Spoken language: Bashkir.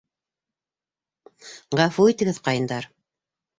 Ғәфү итегеҙ, ҡайындар.